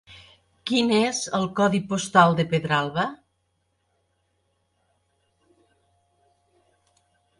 Quin és el codi postal de Pedralba?